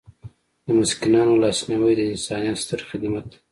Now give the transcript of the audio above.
د مسکینانو لاسنیوی د انسانیت ستر خدمت دی.